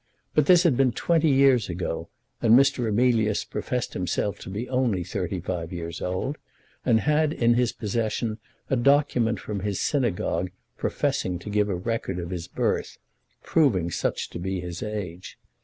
But this had been twenty years ago, and Mr. Emilius professed himself to be only thirty five years old, and had in his possession a document from his synagogue professing to give a record of his birth, proving such to be his age.